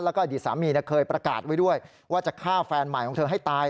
แล้วก็อดีตสามีเคยประกาศไว้ด้วยว่าจะฆ่าแฟนใหม่ของเธอให้ตาย